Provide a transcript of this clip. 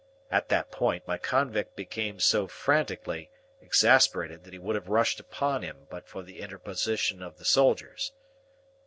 At that point, my convict became so frantically exasperated, that he would have rushed upon him but for the interposition of the soldiers.